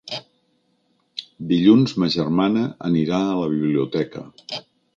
Dilluns ma germana anirà a la biblioteca.